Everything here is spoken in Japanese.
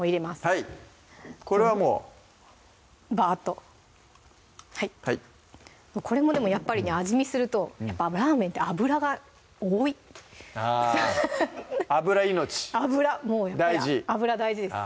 はいこれはもうバーッとこれもでもやっぱりね味見するとやっぱラーメンって油が多いあぁ油命大事油大事です